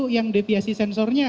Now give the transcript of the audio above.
yang deviasi sensornya